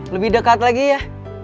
lebih dekat lagi ya